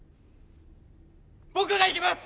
僕が行きます！